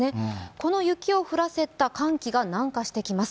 この雪を降らせた寒気が南下してきます。